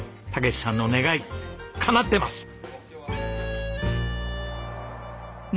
武史さんの願いかなってます。